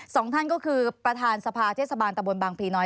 สองท่านก็คือประธานสภาเทศบาลตะบนบางพีน้อย